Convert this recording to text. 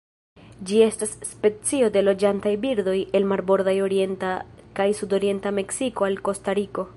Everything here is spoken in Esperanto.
Ĝi estas specio de loĝantaj birdoj el marbordaj orienta kaj sudorienta Meksiko al Kostariko.